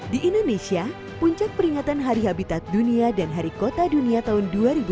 di indonesia puncak peringatan hari habitat dunia dan hari kota dunia tahun dua ribu dua puluh